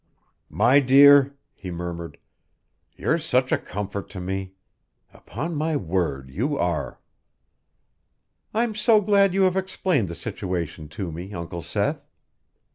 "My dear," he murmured, "you're such a comfort to me. Upon my word, you are." "I'm so glad you have explained the situation to me, Uncle Seth."